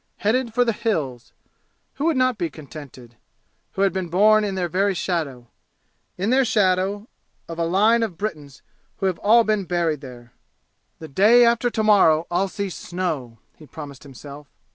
Headed for the "Hills," who would not be contented, who had been born in their very shadow? in their shadow, of a line of Britons who have all been buried there! "The day after to morrow I'll see snow!" he promised himself.